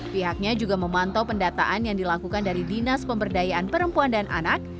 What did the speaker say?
pihaknya juga memantau pendataan yang dilakukan dari dinas pemberdayaan perempuan dan anak